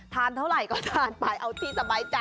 ทานเท่าไหร่ก็ทานไปเอาที่สบายใจ